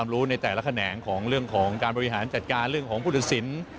เรื่องของการบริหารจัดการเรื่องของภูติศิลป์